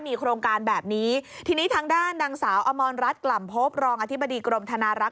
มีโครงการแบบนี้ทีนี้ทางด้านนางสาวอมรรัฐกล่ำพบรองอธิบดีกรมธนารักษ